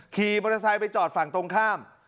ขี่มอเตอร์ไซค์ไปจอดฝั่งตรงข้าม